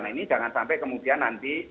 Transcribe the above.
nah ini jangan sampai kemudian nanti